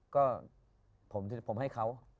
ก็ผมให้เขา